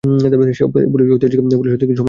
Polish ঐতিহ্যকে সন্মান দেখাও?